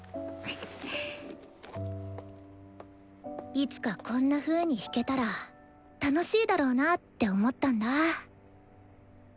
「いつかこんなふうに弾けたら楽しいだろうな」って思ったんだ。